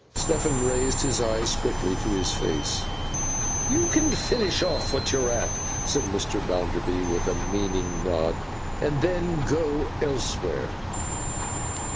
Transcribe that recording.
Stephen raised his eyes quickly to his face. 'You can finish off what you're at,' said Mr. Bounderby, with a meaning nod, 'and then go elsewhere.